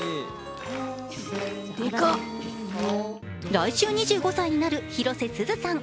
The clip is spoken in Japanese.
来週２５歳になる広瀬すずさん。